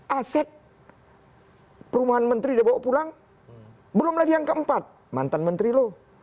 jadi aset perumahan menteri dia bawa pulang belum lagi yang keempat mantan menteri lo